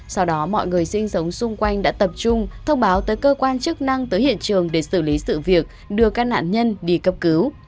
sau đó mọi người sinh sống xung quanh đã tập trung thông báo tới cơ quan chức năng tới hiện trường để xử lý sự việc đưa các nạn nhân đi cấp cứu